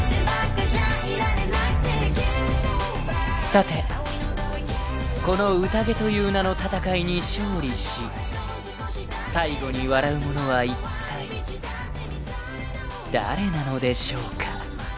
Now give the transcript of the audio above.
［さてこの宴という名の戦いに勝利し最後に笑う者はいったい誰なのでしょうか］